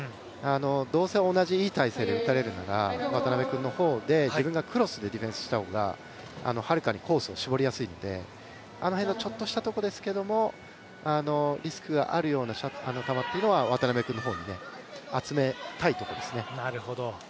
どうせ同じいい体勢で打たれるなら渡辺君の方で自分がクロスでディフェンスした方がはるかにコースを絞りやすいので、あの辺のちょっとしたところですけどリスクがあるような球は渡辺君の方に集めたいところですね。